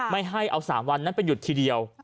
ไม่ให้เอา๓วันนั้นไปหยุดทีเดียว